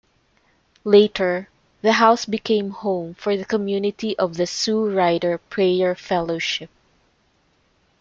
Later the house became home for the Community of the Sue Ryder Prayer Fellowship.